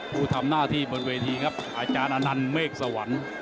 ผู้ทำหน้าที่บนเวทีครับอาจารย์อนันต์เมฆสวรรค์